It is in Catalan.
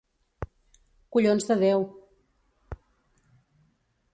Collons de déu!